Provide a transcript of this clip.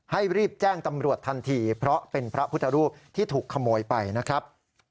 รีบแจ้งตำรวจทันทีเพราะเป็นพระพุทธรูปที่ถูกขโมยไปนะครับ